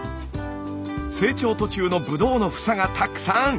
成長途中のブドウの房がたくさん！